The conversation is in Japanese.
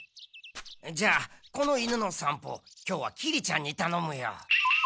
じゃあこの犬のさんぽ今日はきりちゃんにたのむよ。